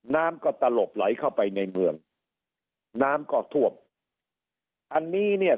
น้ำก็ตลบไหลเข้าไปในเมืองน้ำก็ท่วมอันนี้เนี่ย